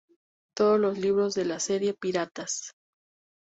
Todos los libros de la serie "¡Piratas!